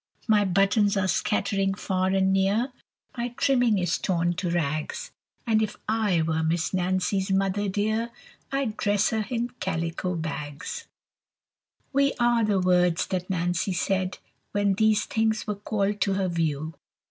My buttons are scattering far and near, My trimming is torn to rags; And if I were Miss Nancy's mother dear, I'd dress her in calico bags! We are the words that Nancy said When these things were called to her view.